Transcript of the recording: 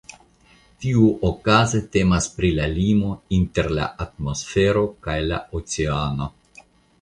Tiuokaze temas pri la limo inter la atmosfero kaj la oceano.